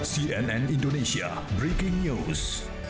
cnn indonesia breaking news